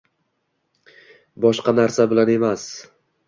Boshqa narsa bilan emas.